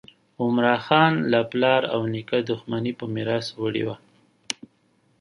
عمراخان له پلار او نیکه دښمني په میراث وړې وه.